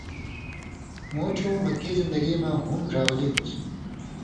مُوٹھیُوں مکی زندگی مہ ہُم ڙھاولی ہُوسیۡ